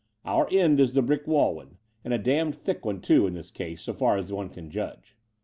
Our end is the brick wall one, and a damned thick one, too, in this case, so far as one can judge."